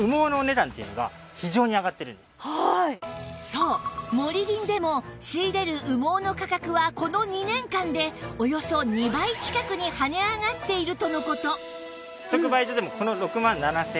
そうモリリンでも仕入れる羽毛の価格はこの２年間でおよそ２倍近くに跳ね上がっているとの事